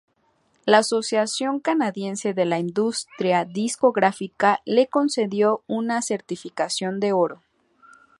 La Asociación Canadiense de la Industria Discográfica le concedió una certificación de oro.